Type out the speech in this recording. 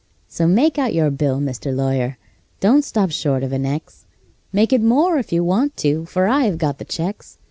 So make out your bill, Mr. Lawyer: don't stop short of an X; Make it more if you want to, for I have got the checks.